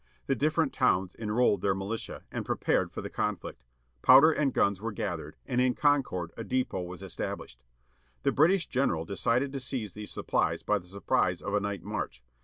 The different towns enrolled their militia, and prepared for the conflict. Powder and guns were gathered, and in Concord a depot was established. The British general decided to seize these supplies by the surprise of a night march.